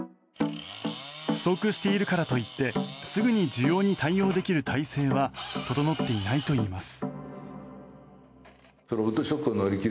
不足しているからといってすぐに需要に対応できる体制は整っていないといいます。